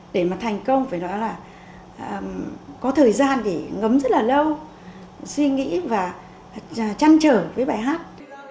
để mà thành công phải nói là có thời gian để ngấm rất là lâu suy nghĩ và chăn trở với bài hát